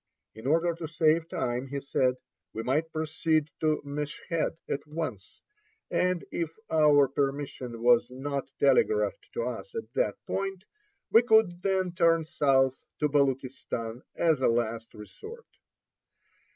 In order to save time, he said, we might proceed to Meshed at once, and if our permission was not telegraphed to us at that point, we could then turn south to Baluchistan as a last resort.